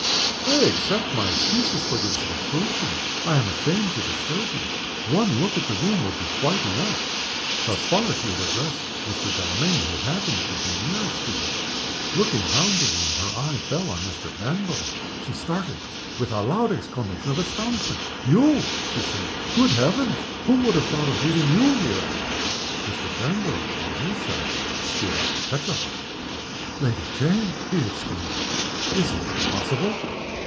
"Pray accept my excuses for this intrusion. I am ashamed to disturb you. One look at the room will be quite enough." Thus far she had addressed Mr. Delamayn, who happened to be nearest to her. Looking round the room her eye fell on Mr. Vanborough. She started, with a loud exclamation of astonishment. "You!" she said. "Good Heavens! who would have thought of meeting you here?" Mr. Vanborough, on his side, stood petrified. "Lady Jane!" he exclaimed. "Is it possible?"